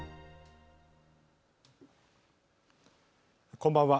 こんばんは。